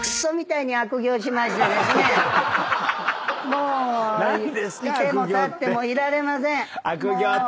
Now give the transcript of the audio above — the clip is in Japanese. もう居ても立ってもいられません。